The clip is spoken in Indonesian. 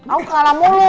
aku kalah mulu